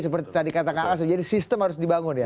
seperti tadi kata kak asem jadi sistem harus dibangun ya